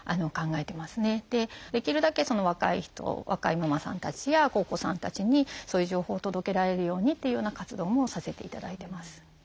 できるだけ若い人若いママさんたちやお子さんたちにそういう情報を届けられるようにっていうような活動もさせていただいてます。